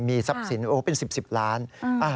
มีทรัพย์สินโอ้โหเป็น๑๐ล้านบาท